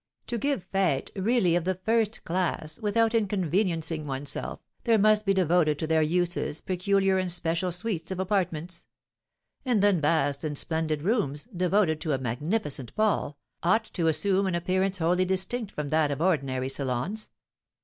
To give fêtes, really of the first class, without inconveniencing oneself, there must be devoted to their uses peculiar and special suites of apartments; and then vast and splendid rooms, devoted to a magnificent ball, ought to assume an appearance wholly distinct from that of ordinary salons.